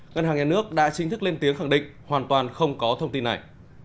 ngân hàng nhà nước đã chính thức lên tiếng khẳng định hoàn toàn không có thông tin này